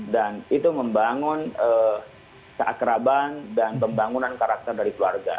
dan itu membangun keakraban dan pembangunan karakter dari keluarga